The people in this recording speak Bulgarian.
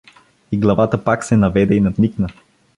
И главата пак се наведе и надникна.